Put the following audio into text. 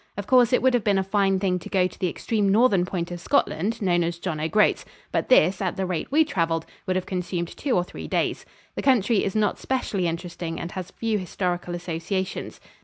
Of course it would have been a fine thing to go to the extreme northern point of Scotland, known as John O' Groats, but this, at the rate we traveled, would have consumed two or three days. The country is not specially interesting and has few historical associations.